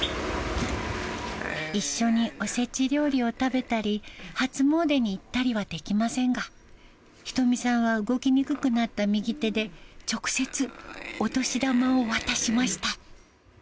一緒におせち料理を食べたり、初詣に行ったりはできませんが、仁美さんは動きにくくなった右手で直接、お年玉を渡しました。